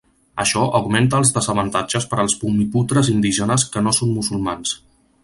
Això augmenta els desavantatges per als bumiputres indígenes que no són musulmans.